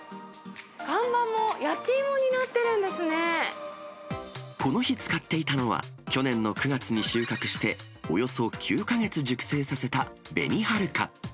看板も焼き芋になっているんこの日、使っていたのは、去年の９月に収穫して、およそ９か月熟成させた紅はるか。